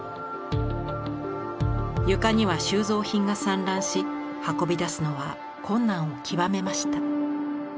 床には収蔵品が散乱し運び出すのは困難を極めました。